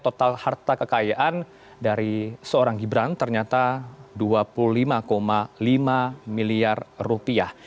total harta kekayaan dari seorang gibran ternyata dua puluh lima lima miliar rupiah